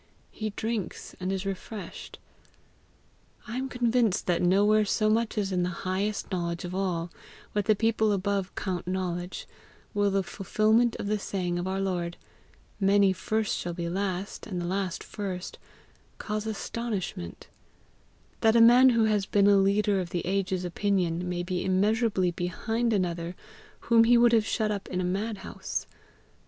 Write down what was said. he drinks and is refreshed. I am convinced that nowhere so much as in the highest knowledge of all what the people above count knowledge will the fulfilment of the saying of our Lord, "Many first shall be last, and the last first," cause astonishment; that a man who has been leader of the age's opinion, may be immeasurably behind another whom he would have shut up in a mad house.